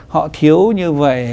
họ thiếu như vậy